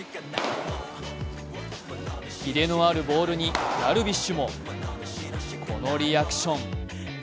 キレのあるボールにダルビッシュもこのリアクション。